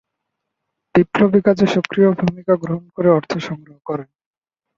বিপ্লবী কাজে সক্রিয় ভূমিকা গ্রহণ করে অর্থ সংগ্রহ করেন।